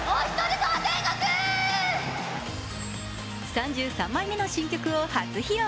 ３３枚目の新曲を初披露。